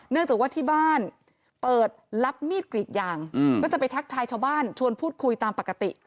จากว่าที่บ้านเปิดรับมีดกรีดยางก็จะไปทักทายชาวบ้านชวนพูดคุยตามปกติ